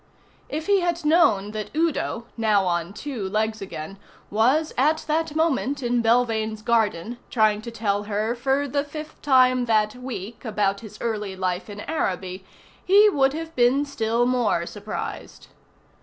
If he had known that Udo, now on two legs again, was at that moment in Belvane's garden, trying to tell her, for the fifth time that week, about his early life in Araby, he would have been still more surprised.